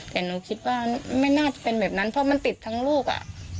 แต่หนูคิดว่าไม่น่าจะเป็นแบบนั้นเพราะมันติดทั้งลูก